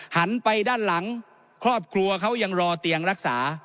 หันไปด้านหลังครอบครัวเขายังรอเตียงรักษา